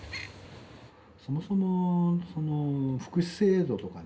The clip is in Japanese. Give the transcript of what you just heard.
そもそもその福祉制度とかね。